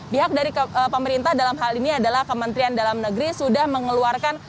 pihak dari pemerintah dalam hal ini adalah kementerian dalam negeri sudah mengeluarkan